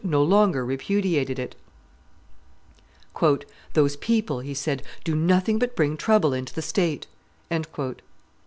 no longer repudiated it. "Those people," he said, "do nothing but bring trouble into the state."